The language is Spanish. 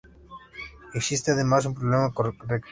Existe además un problema concreto.